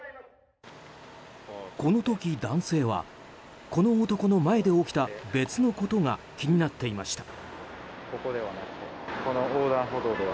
この時、男性はこの男の前で起きた別のことが気になっていました。